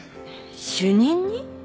主任に？